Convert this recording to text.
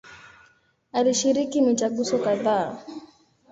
Alishiriki mitaguso kadhaa.